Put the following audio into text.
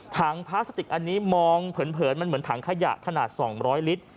พลาสติกอันนี้มองเผินมันเหมือนถังขยะขนาด๒๐๐ลิตร